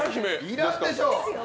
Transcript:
いらんでしょ！